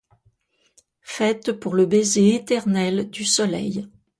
Faite pour le baiser éternel du soleil